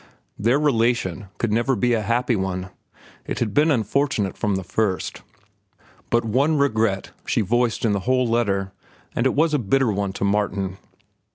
Their relation could never be a happy one. It had been unfortunate from the first. But one regret she voiced in the whole letter, and it was a bitter one to Martin.